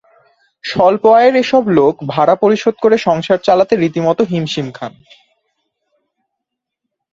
স্বল্প আয়ের এসব লোক ভাড়া পরিশোধ করে সংসার চালাতে রীতিমতো হিমশিম খান।